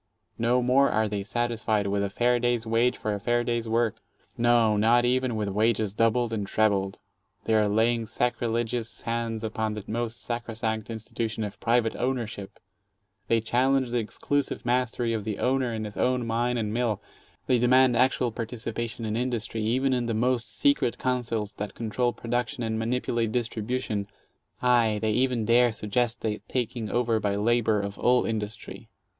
No more are they satisfied with "a fair day's wage for a fair day's work"; no, not even with wages doubled and trebled. They are laying sacriligious hands upon the most sacrosanct institution of private ownership, they challenge the exclusive mastery of the owner in his own mine and mill, they demand actual participation in industry, even in the most secret councils that control production and manipulate dis tribution, — aye ,they even dare suggest the taking over by labor of all industry.